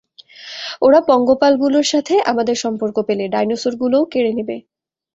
ওরা পঙ্গপালগুলোর সাথে আমাদের সম্পর্ক পেলে, ডাইনোসরগুলোও কেড়ে নেবে।